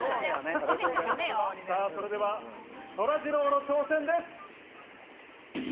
それでは、そらジローの挑戦です。